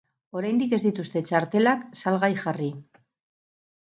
Oraindik ez dituzte txartelak salgai jarri.